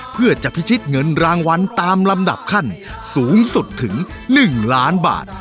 เพื่อจะพิชิตเงินรางวัลตามลำดับขั้นสูงสุดถึง๑ล้านบาท